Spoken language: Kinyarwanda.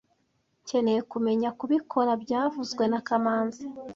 Nkeneye kumenya kubikora byavuzwe na kamanzi